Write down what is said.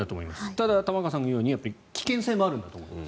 ただ、玉川さんが言うように危険性もあるんだと思います。